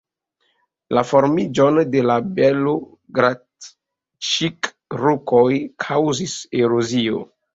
La formiĝon de la Belogradĉik-rokoj kaŭzis erozio.